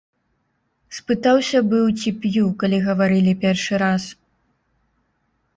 Спытаўся быў, ці п'ю, калі гаварылі першы раз.